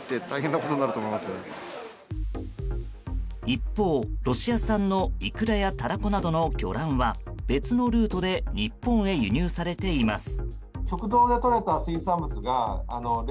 一方、ロシア産のイクラやタラコなどの魚卵は別のルートで日本へ輸入されています。